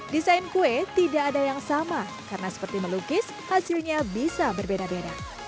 desain kue tidak ada yang sama karena seperti melukis hasilnya bisa berbeda beda